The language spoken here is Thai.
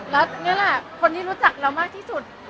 แล้วก็คนที่รู้จักเรามักที่สุด